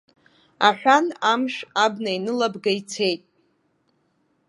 Аҳәан амшә, абна инылабга ицеит.